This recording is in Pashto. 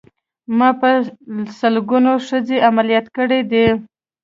ما په سلګونو ښځې عمليات کړې دي.